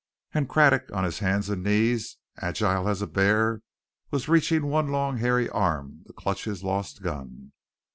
And Craddock, on hands and knees, agile as a bear, was reaching one long hairy arm to clutch his lost gun.